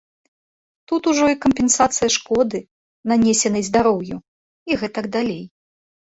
Тут ужо і кампенсацыя шкоды, нанесенай здароўю, і гэтак далей.